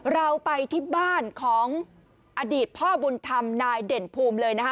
เราไปที่บ้านของอดีตพ่อบุญธรรมนายเด่นภูมิเลยนะคะ